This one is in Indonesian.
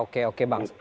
oke oke bang